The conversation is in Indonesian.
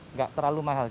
enggak terlalu mahal